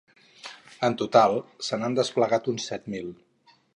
En total se n’han desplegat uns set mil.